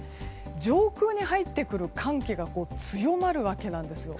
上空に入ってくる寒気が強まるわけなんです。